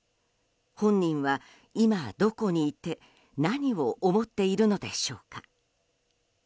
本人は今、どこにいて何を思っているのでしょうか。